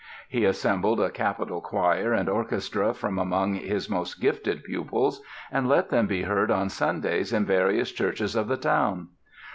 He assembled a capital choir and orchestra from among his most gifted pupils and let them be heard on Sundays in various churches of the town.